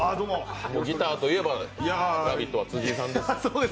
ギターと言えば「ラヴィット！」は辻井さんです。